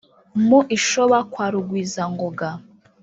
Mu Ishoba kwa Rugwizangoga